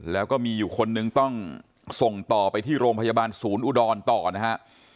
แล้วก็มีอยู่คนนึงต้องส่งต่อไปที่โรงพยาบาลศูนย์อุดรต่อนะฮะ